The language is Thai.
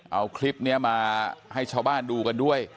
เอาคลิปนี้มาให้ชาวบ้านดูกันด้วย